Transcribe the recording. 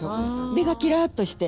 目がキラッとして。